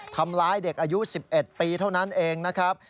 ทำร้ายเด็กอายุ๑๑ปีเท่านั้นเองนะครับ